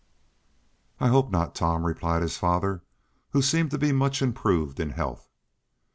"I hope not, Tom," replied his father, who seemed to be much improved in health.